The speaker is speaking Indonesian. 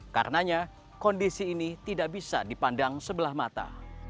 karenanya kondisi ini tidak bisa dipandang sebelah mata